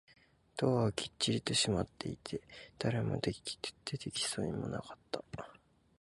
ドアはきっちりと閉まっていて、誰も出てきそうもなかった